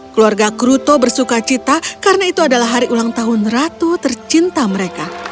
keluarga kruto bersuka cita karena itu adalah hari ulang tahun ratu tercinta mereka